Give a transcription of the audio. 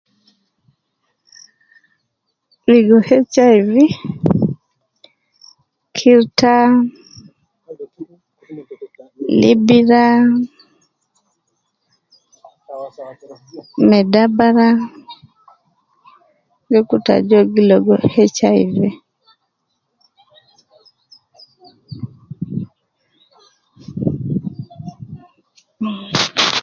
Logo HIV, kirta, Libira, ma dabara, de kutu ajol gi logo HIV.